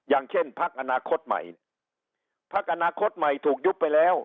อย่างเช่นพักอนาคตใหม่พักอนาคตใหม่ถูกยุบไปแล้ว